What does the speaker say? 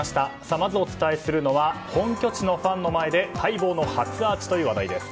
まずお伝えするのは本拠地のファンの前で待望の初アーチという話題です。